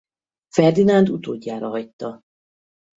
Ferdinánd utódjára hagyta.